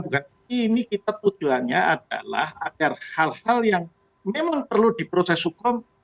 bukan ini kita tujuannya adalah agar hal hal yang memang perlu diproses hukum